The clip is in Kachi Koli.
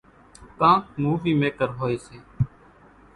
ڪانڪ مُووِي ميڪر هوئيَ سي۔